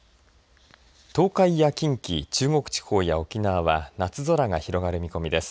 東海や近畿、中国地方や沖縄は夏空が広がる見込みです。